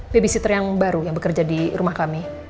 babysitter yang baru yang bekerja di rumah kami